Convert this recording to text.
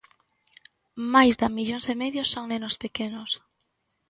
Máis da millón e medio son nenos pequenos.